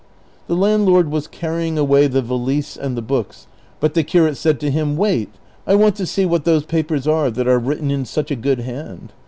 The landlord was carrying away the valise and the books, but the curate said to him, "Wait; I want to see what those papers are that are written in such a good hand."